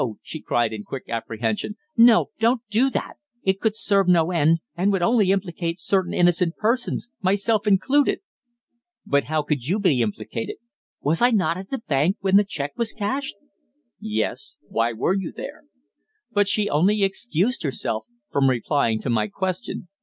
she cried in quick apprehension. "No, don't do that. It could serve no end, and would only implicate certain innocent persons myself included." "But how could you be implicated?" "Was I not at the bank when the cheque was cashed?" "Yes. Why were you there?" I asked. But she only excused herself from replying to my question.